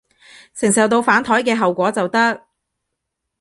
承受到反枱嘅後果就得